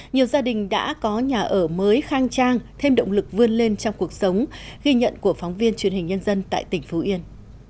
nhiều gia đình đã có nhà ở mới khang trang thêm động lực vươn lên trong cuộc sống ghi nhận của phóng viên truyền hình nhân dân tại tỉnh phú yên